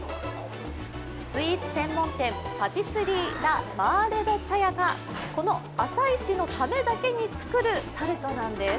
スイーツ専門店、パティスリーラ・マーレ・ド・チャヤがこの朝市のためだけに作るタルトなんです。